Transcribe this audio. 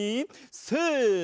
せの！